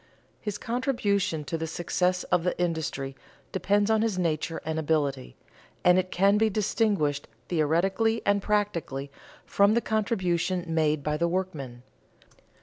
His contribution to the success of the industry depends on his nature and ability, and it can be distinguished theoretically and practically from the contribution made by the workmen.